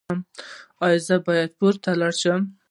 ایا زه باید پورته لاړ شم؟